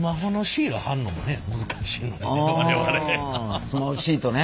あスマホシートね。